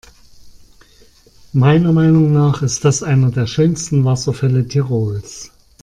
Meiner Meinung nach ist das einer der schönsten Wasserfälle Tirols.